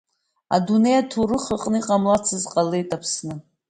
Адунеи аҭоурых аҟны иҟамлацыз ҟалеит Аԥсны.